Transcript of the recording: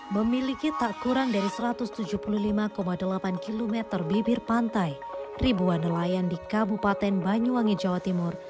memiliki tak kurang dari satu ratus tujuh puluh lima delapan km bibir pantai ribuan nelayan di kabupaten banyuwangi jawa timur